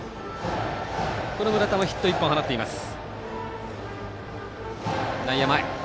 村田もヒット１本放っています。